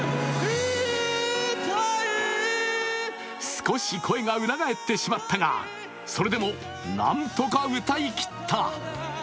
少し声が裏返ってしまったが、それでもなんとか歌いきった。